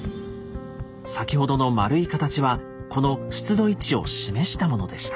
先ほどの円い形はこの出土位置を示したものでした。